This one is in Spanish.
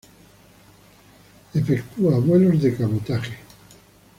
Efectúa vuelos de cabotaje.